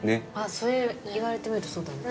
そう言われてみるとそうだね。